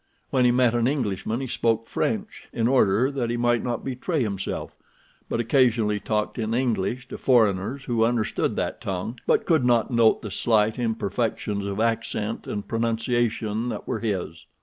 When he met an Englishman he spoke French in order that he might not betray himself, but occasionally talked in English to foreigners who understood that tongue, but could not note the slight imperfections of accent and pronunciation that were his.